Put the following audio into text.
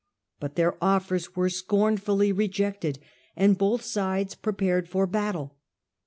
But their offers were scornfully rejected, and both sides prepared for battle.